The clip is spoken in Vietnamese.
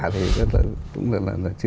thì cũng là